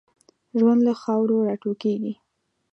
ژوند له خاورو را ټوکېږي.